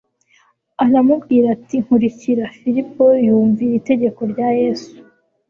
aramubwira ati : Nkurikira». Filipo yumvira itegeko rya Yesu,